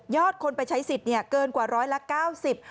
คนไปใช้สิทธิ์เนี่ยเกินกว่าร้อยละเก้าสิบ